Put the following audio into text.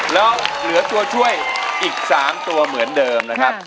แล้วเหลือตัวช่วยอีก๓ตัวเหมือนเดิมนะครับ